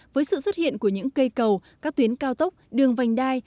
với sự xuất hiện của những cây cầu các tuyến cao tốc đường vành đai